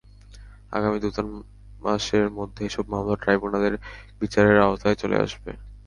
আগামী দু-তিন মাসের মধ্যে এসব মামলা ট্রাইব্যুনালের বিচারের আওতায় চলে আসবে।